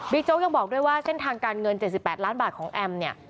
โจ๊กยังบอกด้วยว่าเส้นทางการเงิน๗๘ล้านบาทของแอมเนี่ย